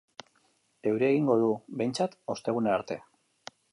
Euria egingo du, behintzat, ostegunera arte.